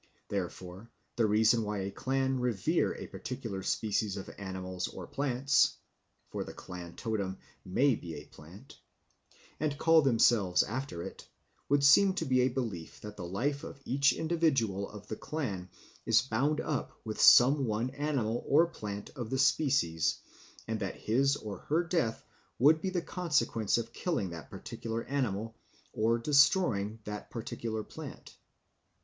Therefore, the reason why a clan revere a particular species of animals or plants (for the clan totem may be a plant) and call themselves after it, would seem to be a belief that the life of each individual of the clan is bound up with some one animal or plant of the species, and that his or her death would be the consequence of killing that particular animal, or destroying that particular plant.